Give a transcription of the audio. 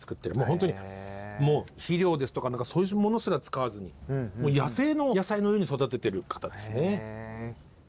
ほんとにもう肥料ですとかそういうものすら使わずに野生の野菜のように育ててる方ですね。